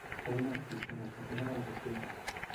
Fou una artista destacada de la postguerra.